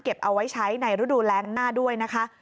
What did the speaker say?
เอาไว้ใช้ในฤดูแรงหน้าด้วยนะคะ